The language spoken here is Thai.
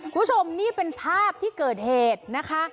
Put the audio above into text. คุณผู้ชมนี่เป็นภาพที่เกิดเหตุนะคะ